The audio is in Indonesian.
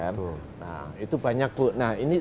nah itu banyak nah ini